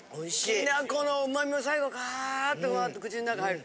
きな粉のうまみも最後がっとふわっと口の中入る。